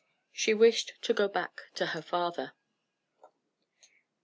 She wished to go back to her father.